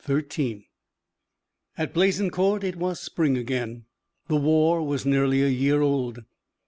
XIII At Blaisencourt it was spring again. The war was nearly a year old.